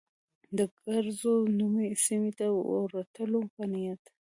د کرز نومي سیمې ته د ورتلو په نیت.